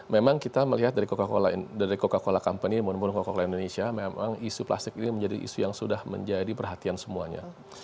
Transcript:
memang kita melihat dari coca cola company maupun coca cola indonesia memang isu plastik ini menjadi isu yang sudah menjadi perhatian semuanya